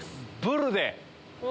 ブルで！